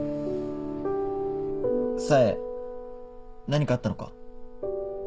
・冴何かあったのか？